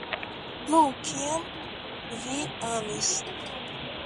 Iu, kiun vi amis.